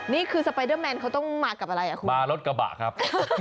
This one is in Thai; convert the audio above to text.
นี่คือสไปเดอร์แมนเขาต้องมากับอะไรอ่ะคุณมารถกระบะครับ